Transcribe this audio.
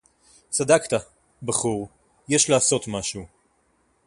צָדַקְתָּ, בָּחוּר, יֵשׁ לַעֲשׂוֹת מַשֶּׁהוּ.